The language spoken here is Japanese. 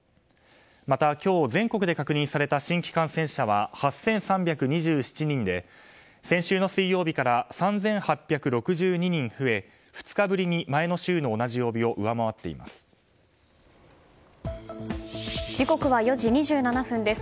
また、今日全国で確認された新規感染者は８３２７人で先週の水曜日から３８６２人増え２日ぶりに前の週の同じ曜日を時刻は４時２７分です。